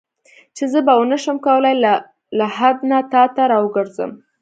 چې زه به ونه شم کولای له لحد نه تا ته راوګرځم.